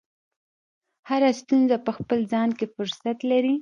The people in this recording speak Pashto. هره ستونزه په خپل ځان کې فرصت لري.